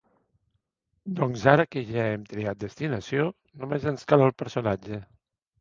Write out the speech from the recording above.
Doncs ara que ja hem triat destinació, només ens cal el personatge.